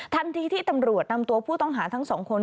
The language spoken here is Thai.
ทันทีที่ตำรวจนำตัวผู้ต้องหาทั้งสองคน